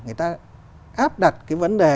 người ta áp đặt cái vấn đề